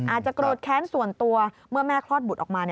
อาจจะโกรธแค้นส่วนตัวเมื่อแม่คลอดบุตรออกมา